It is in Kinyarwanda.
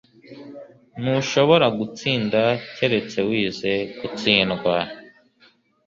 Ntushobora gutsinda keretse wize gutsindwa.”